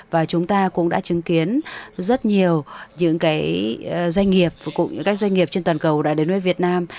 và chúng ta cũng đã chứng kiến rất nhiều doanh nghiệp trên toàn cầu đã đến với việt nam